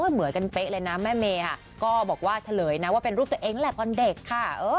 เหมือนกันเป๊ะเลยนะแม่เมก็บอกว่าเป็นรูปตัวเองแหละตอนเด็กค่ะ